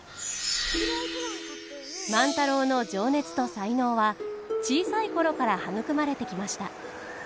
万太郎の情熱と才能は小さい頃から育まれてきました。